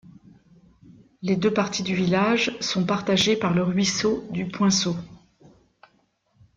Les deux parties du village sont partagées par le ruisseau du Poinsot.